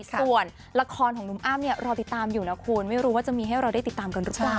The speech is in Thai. ส่วนละครของหนุ่มอ้ำเนี่ยรอติดตามอยู่นะคุณไม่รู้ว่าจะมีให้เราได้ติดตามกันหรือเปล่า